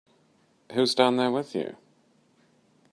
Who's down there with you?